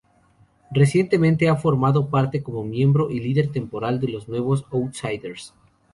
Recientemente ha formado parte como miembro y líder temporal de los nuevos Outsiders.